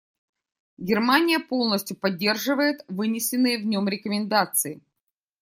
Германия полностью поддерживает вынесенные в нем рекомендации.